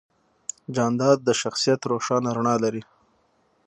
جانداد د شخصیت روښانه رڼا لري.